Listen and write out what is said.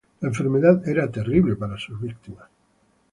La enfermedad era terrible para sus víctimas.